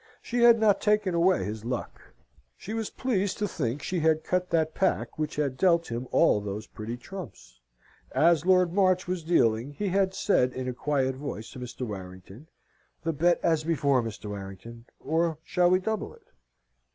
She had not taken away his luck. She was pleased to think she had cut that pack which had dealt him all those pretty trumps. As Lord March was dealing, he had said in a quiet voice to Mr. Warrington, "The bet as before, Mr. Warrington, or shall we double it?"